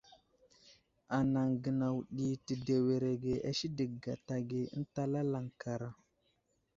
Anaŋ gənaw ɗi tədewerege a sədek gata ge ənta lalaŋkara.